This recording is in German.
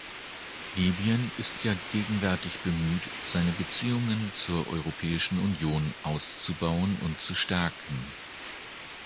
Libyen ist ja gegenwärtig bemüht, seine Beziehungen zur Europäischen Union auszubauen und zu stärken.